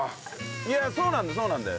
いやそうなんだよそうなんだよ。